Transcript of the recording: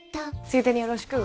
ついでによろしく！